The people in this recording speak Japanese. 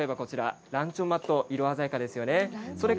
ランチョンマット色鮮やかですよね。